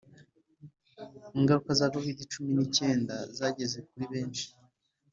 Ingaruka za covid cumi n’icyenda zageze kuribeshi